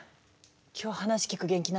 今日話聞く元気ないわ。